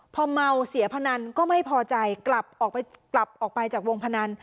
พอเมาเสียพนันก็ไม่พอใจกลับออกไปกลับออกไปจากวงพนัน